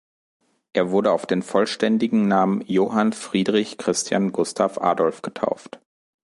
Er wurde auf den vollständigen Namen Johann Friedrich Christian Gustav Adolph getauft.